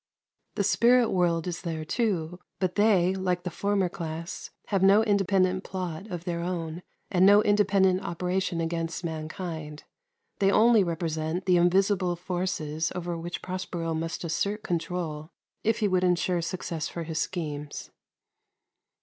The spirit world is there too, but they, like the former class, have no independent plot of their own, and no independent operation against mankind; they only represent the invisible forces over which Prospero must assert control if he would insure success for his schemes.